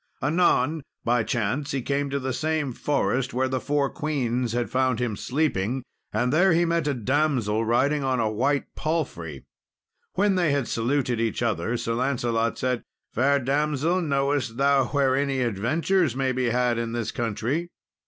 Anon, by chance, he came to the same forest where the four queens had found him sleeping, and there he met a damsel riding on a white palfrey. When they had saluted each other, Sir Lancelot said, "Fair damsel, knowest thou where any adventures may be had in this country?"